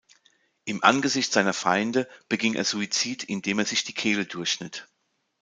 Im Angesicht seiner Feinde beging er Suizid, indem er sich die Kehle durchschnitt.